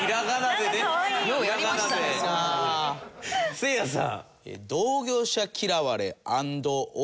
せいやさん。